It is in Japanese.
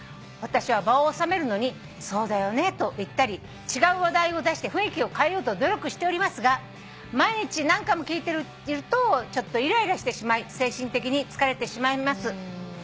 「私は場を収めるのに『そうだよね』と言ったり違う話題を出して雰囲気を変えようと努力しておりますが毎日何回も聞いているとちょっとイライラしてしまい精神的に疲れてしまいます」